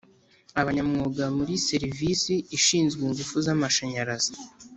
Abanyamwuga muri serivisi ishinzwe ingufu za amashanyarazi